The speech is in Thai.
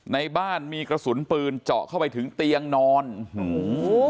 ในบ้านมีกระสุนปืนเจาะเข้าไปถึงเตียงนอนหือ